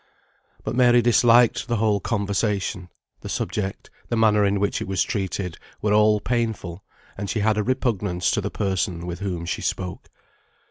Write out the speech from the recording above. But Mary disliked the whole conversation; the subject, the manner in which it was treated, were all painful, and she had a repugnance to the person with whom she spoke.